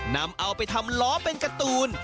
นำเอาไปทำล้อเป็นการ์ตูน